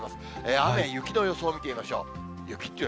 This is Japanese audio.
雨、雪の予想を見てみましょう。